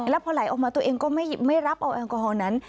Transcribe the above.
แล้วพอไหลออกมาตัวเองก็ไม่รับเอาแอลกอฮอลนั้น